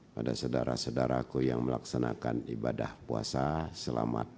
pada saudara saudaraku yang melaksanakan ibadah puasa selamat malam